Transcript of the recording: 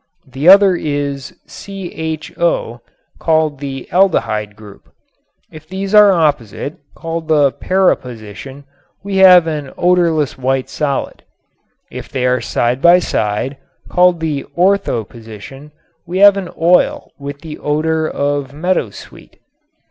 The other is CHO (called the aldehyde group). If these are opposite (called the para position) we have an odorless white solid. If they are side by side (called the ortho position) we have an oil with the odor of meadowsweet.